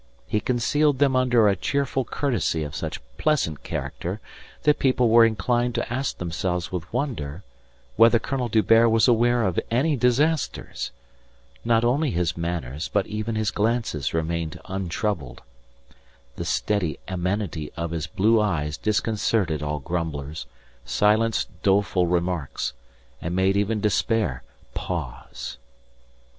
He concealed them under a cheerful courtesy of such pleasant character that people were inclined to ask themselves with wonder whether Colonel D'Hubert was aware of any disasters. Not only his manners but even his glances remained untroubled. The steady amenity of his blue eyes disconcerted all grumblers, silenced doleful remarks, and made even despair pause.